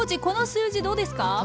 この数字どうですか？